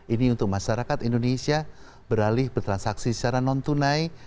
ini untuk masyarakat indonesia beralih bertransaksi secara non tunai